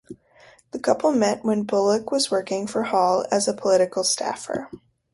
The couple met when Bullock was working for Hall as a political staffer.